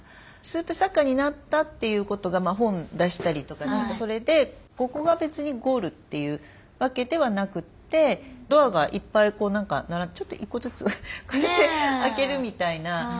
スープ作家になったっていうことがまあ本出したりとか何かそれでここが別にゴールというわけではなくてドアがいっぱい並んでちょっと１個ずつ開けるみたいなこともありなのかなと。